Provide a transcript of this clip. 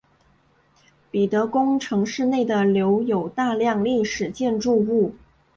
彼得宫城市内的留有大量历史建筑物。